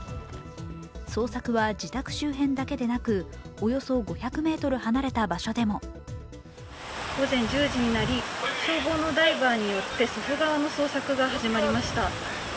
捜索は自宅周辺だけでなくおよそ５００ｍ離れた場所でも午前１０時になり消防のダイバーによって祖父川の捜索が始まりました。